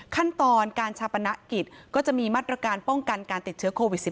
ขั้นตอนการชาปนกิจก็จะมีมาตรการป้องกันการติดเชื้อโควิด๑๙